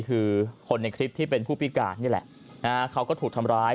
คือคนในคลิปที่เป็นผู้พิการนี่แหละเขาก็ถูกทำร้าย